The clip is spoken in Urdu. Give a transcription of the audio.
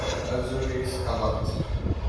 ازوریس کا وقت